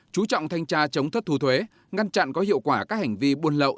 chú trọng thanh tra chống thất thu thuế ngăn chặn có hiệu quả các hành vi buôn lậu